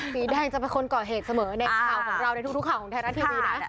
สีแดงจะเป็นคนก่อเหตุเสมอในข่าวของเราในทุกข่าวของไทยรัฐทีวีนะ